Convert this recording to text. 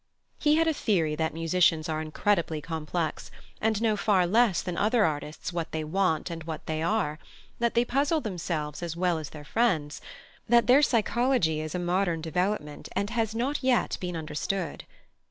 He had a theory that musicians are incredibly complex, and know far less than other artists what they want and what they are; that they puzzle themselves as well as their friends; that their psychology is a modern development, and has not yet been understood.